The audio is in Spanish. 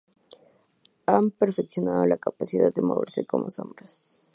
Han perfeccionado la capacidad de moverse como sombras.